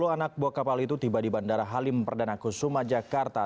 sepuluh anak buah kapal itu tiba di bandara halim perdana kusuma jakarta